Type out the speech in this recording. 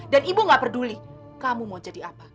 dan ibu enggak peduli kamu mau jadi apa